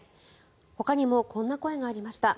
ほかにもこんな声がありました。